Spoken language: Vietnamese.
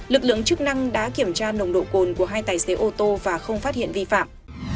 lực lượng chức năng đã kiểm tra nồng độ cồn của hai tài xế ô tô và không phát hiện vi phạm